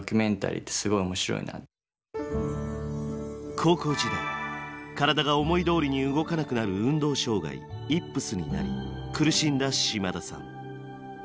高校時代体が思いどおりに動かなくなる運動障害イップスになり苦しんだ島田さん。